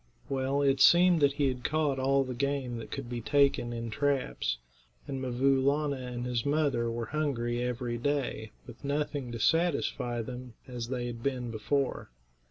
Well, it seemed that he had caught all the game that could be taken in traps, and 'Mvoo Laana and his mother were hungry every day, with nothing to satisfy them, as they had been before.